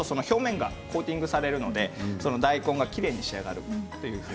表面がコーティングされるので大根がきれいに仕上がります。